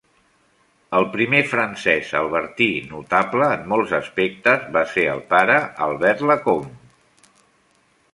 El primer francès-albertí notable, en molts aspectes, va ser el pare Albert Lacombe.